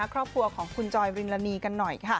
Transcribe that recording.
ครอบครัวของคุณจอยรินีกันหน่อยค่ะ